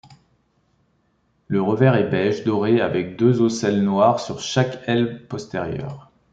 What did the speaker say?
Le revers est beige doré avec deux ocelles noirs sur chaque aile postérieure.